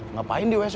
ngapain di wc